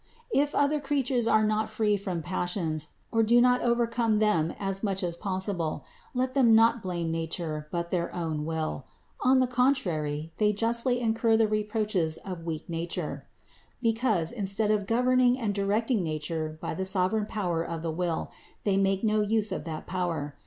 If other creatures are not free from passions, or do not overcome them as much as possible, let them not blame nature, but their own will : on the contrary, they justly incur the reproaches of weak nature; because, instead of governing and directing nature by the sovereign power of the will, they make no use of that power.